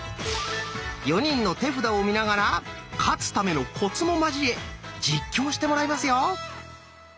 ４人の手札を見ながら「勝つためのコツ」も交え実況してもらいますよ。